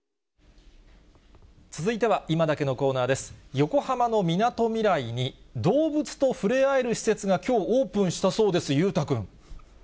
横浜のみなとみらいに、動物と触れ合える施設が、きょう、オープンしたそうです。